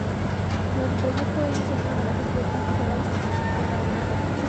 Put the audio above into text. Durante el trayecto ellos ayudan a la gente afligida y someten algunos bandidos.